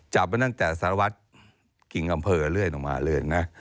จับมาตั้งแต่สารวัตรกิ่งอำเภอเรื่อยลงมาเลยนะ